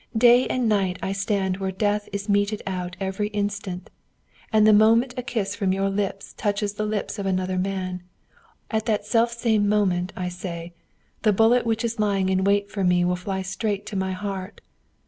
Day and night I stand where death is meted out every instant, and the moment a kiss from your lips touches the lips of another man, at that self same moment, I say, the bullet which is lying in wait for me will fly straight to my heart!'